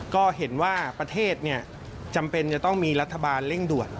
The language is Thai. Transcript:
ก็เห็นว่าประเทศจำเป็นจะต้องมีรัฐบาลเร่งด่วน